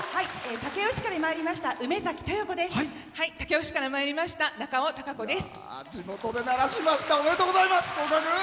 武雄市からまいりましたなかおです。